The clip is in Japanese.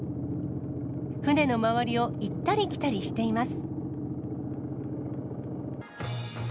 船の周りを行ったり来たりしています。